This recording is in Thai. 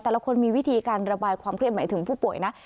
แต่ละคนมีวิธีการระบายความเครียดหมายถึงผู้ป่วยนะ